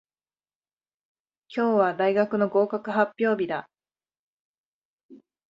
今日は大学の合格発表日だ。